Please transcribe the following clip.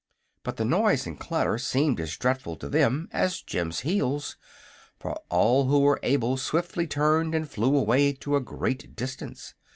But the noise and clatter seemed as dreadful to them as Jim's heels, for all who were able swiftly turned and flew away to a great distance.